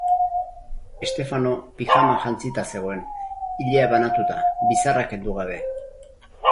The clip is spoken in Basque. Stefano pijama jantzita zegoen, ilea banatuta, bizarra kendu gabe.